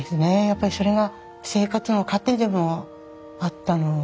やっぱりそれが生活の糧でもあったので。